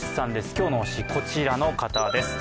今日の推し、こちらの方です。